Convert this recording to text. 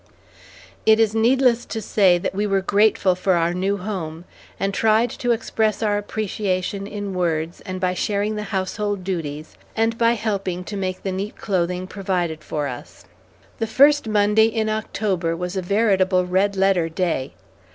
It is needless to say that we were grateful for our new home, and tried to express our appreciation in words and by sharing the household duties, and by helping to make the neat clothing provided for us. The first Monday in October was a veritable red letter day.